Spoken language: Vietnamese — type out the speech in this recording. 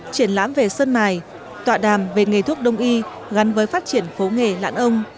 triển lãm về sơn mài tọa đàm về nghề thuốc đông y gắn với phát triển phố nghề lãn ông